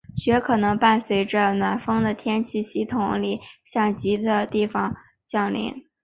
雪可能会伴随着暖锋的天气系统里向极地方向降落。